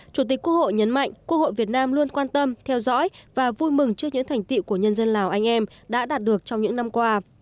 chủ tịch quốc hội nhấn mạnh quốc hội việt nam luôn quan tâm theo dõi và vui mừng trước những thành tiệu của nhân dân lào anh em đã đạt được trong những năm qua